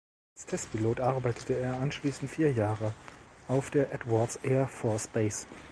Als Testpilot arbeitete er anschließend vier Jahre auf der Edwards Air Force Base.